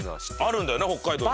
あるんだよな北海道に。